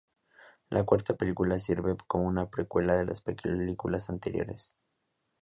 La cuarta película sirve como una precuela de las películas anteriores.